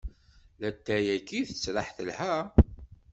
Latay-agi tettraḥ telha.